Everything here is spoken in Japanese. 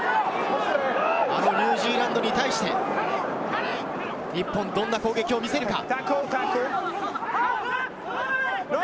ニュージーランドに対して日本、どんな攻撃を見せるか。